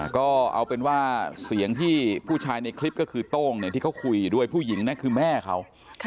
ก็เอาเป็นว่าเสียงที่ผู้ชายในคลิปก็คือโต้งที่เขาคุยด้วยผู้หญิงคือแม่เขา